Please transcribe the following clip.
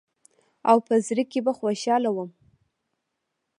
او په زړه کښې به خوشاله وم.